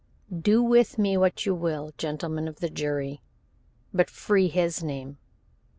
"Do with me what you will, Gentlemen of the Jury, but free his name.